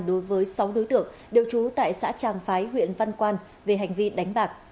đối với sáu đối tượng đều trú tại xã tràng phái huyện văn quan về hành vi đánh bạc